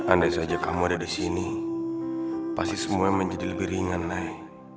andai saja kamu ada disini pasti semuanya menjadi lebih ringan nay